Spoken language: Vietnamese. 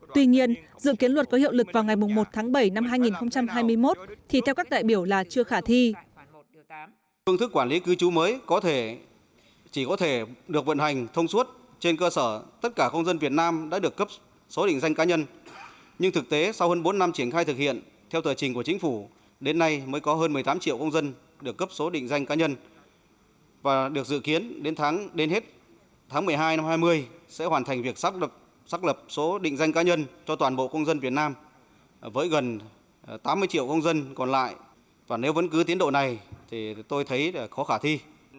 tuy nhiên dự kiến luật có hiệu lực vào ngày một tháng bảy năm hai nghìn hai mươi một thì theo các đại biểu là chưa khả thi